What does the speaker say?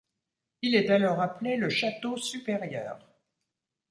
Il est alors appelé le château supérieur.